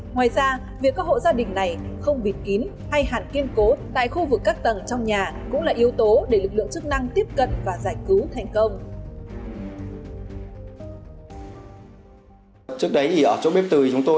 ngoài ra việc các hộ gia đình này không bịt kín hay hạn kiên cố tại khu vực các tầng trong nhà cũng là yếu tố để lực lượng chức năng tiếp cận và giải cứu thành công